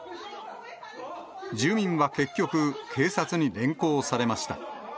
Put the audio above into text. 住民は結局、警察に連行されました。